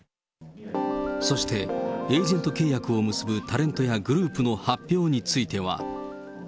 そして、エージェント契約を結ぶタレントやグループの発表については。